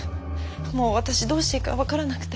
もう私どうしていいか分からなくて。